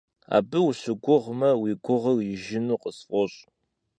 Абы ущыгугъмэ, уи гурыгъыр ижыну къысфӀощӀ.